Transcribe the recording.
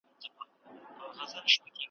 دار وي، که زندان وي، که شرنګا د زولنو